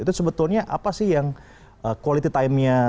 itu sebetulnya apa sih yang quality timenya